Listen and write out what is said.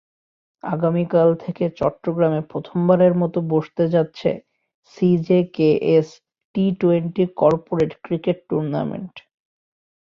আগামীকাল থেকে চট্টগ্রামে প্রথমবারের মতো বসতে যাচ্ছে CJKS T twenty corporate cricket tournament.